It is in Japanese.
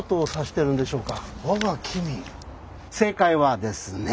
正解はですね